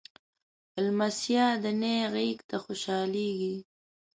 لمسی د نیا غېږ ته خوشحالېږي.